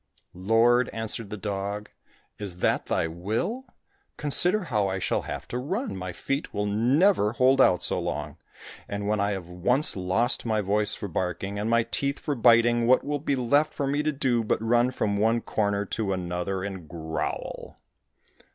"Lord," answered the dog, "is that thy will? Consider how I shall have to run, my feet will never hold out so long, and when I have once lost my voice for barking, and my teeth for biting, what will be left for me to do but run from one corner to another and growl?"